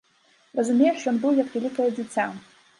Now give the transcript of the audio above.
Разумееш, ён быў як вялікае дзіця.